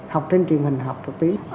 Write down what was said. học trên truyền hình học trực tiếp